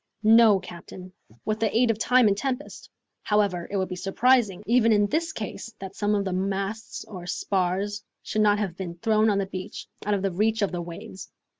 "No, captain, with the aid of time and tempest. However, it would be surprising, even in this case, that some of the masts or spars should not have been thrown on the beach, out of reach of the waves."